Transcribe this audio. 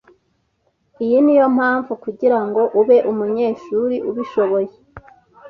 Iyi niyo mpamvu kugirango ube umunyeshuri ubishoboye